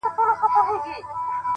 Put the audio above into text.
دادی ټکنده غرمه ورباندي راغله!